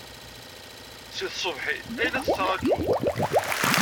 Seg tṣebḥit ay la tt-ttṛajuɣ.